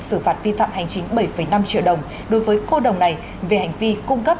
xử phạt vi phạm hành chính bảy năm triệu đồng đối với cô đồng này về hành vi cung cấp